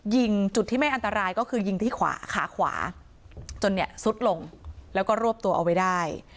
ยิงจุดที่ไม่อันตรายก็คือยิงที่ขวาขาขวาจนเนี่ยซุดลงแล้วก็รวบตัวเอาไว้ได้